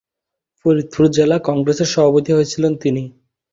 ফরিদপুর জেলা কংগ্রেসের সভাপতি হয়েছিলেন তিনি।